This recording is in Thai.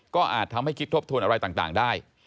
ก็อาจทำให้คิดทบทวนอะไรต่างได้